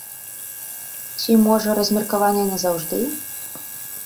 Ці, можа, размеркаваныя назаўжды?